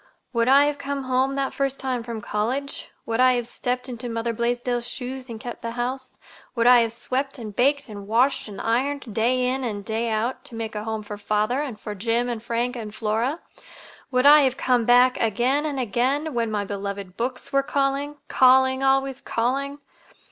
"Would I have come home that first time from college? Would I have stepped into Mother Blaisdell's shoes and kept the house? Would I have swept and baked and washed and ironed, day in and day out, to make a home for father and for Jim and Frank and Flora? Would I have come back again and again, when my beloved books were calling, calling, always calling?